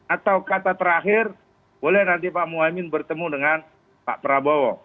atau kata terakhir boleh nanti pak muhaymin bertemu dengan pak prabowo